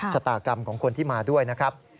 ชะตากรรมของคนที่มาด้วยนะครับ